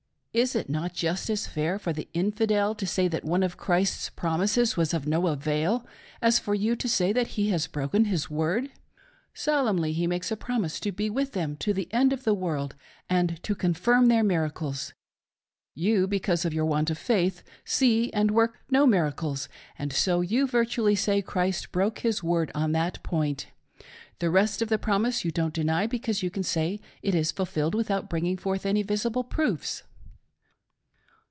Is it not just as fair for the infidel to say that one of Christ's prom ises was of no avail as for you to say that He has broken His word ? 'Solemnly He makes a promise to be with them to the end of the world and to confirm their miracles. You, because of your want of faith, see and work no miracles, and so you virtually say Christ broke His word on that point. The rest of the promise you don't deny, because you can say it is ful filled without bringing forth any visible proofs.